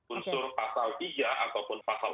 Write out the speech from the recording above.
unsur pasal tiga ataupun pasal empat